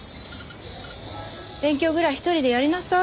勉強ぐらい一人でやりなさい。